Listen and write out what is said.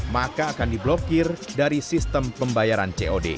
maka akan diblokir dari sistem pembayaran cod